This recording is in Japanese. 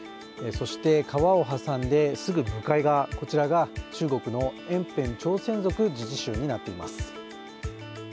そして、川を挟んですぐ向かい側、こちらが中国の延辺朝鮮族自治州になっています。